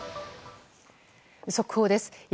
速報です。